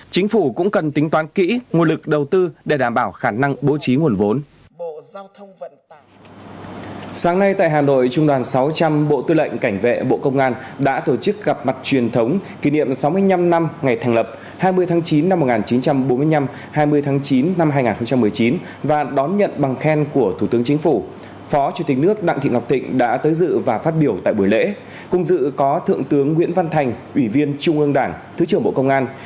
chính phủ cũng cần tính toán kỹ nguồn lực đầu tư để đảm bảo khả năng bố trí nguồn vốn